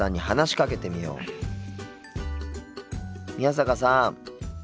宮坂さん。